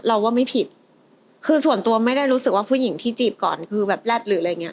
เราว่าไม่ผิดคือส่วนตัวไม่ได้รู้สึกว่าผู้หญิงที่จีบก่อนคือแบบแรดหรืออะไรอย่างเงี้